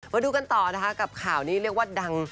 มาดูกันต่อนะคะกับข่าวนี้เรียกว่าดัง